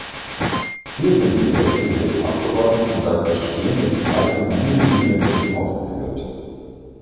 Hier sind die direkt gewählten Abgeordneten seit bestehen des Kreises Minden-Lübbecke aufgeführt.